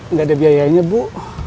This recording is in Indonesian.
enggak ada biayanya bu